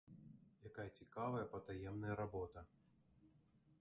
Якая цікавая патаемная работа!